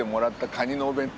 カニのお弁当。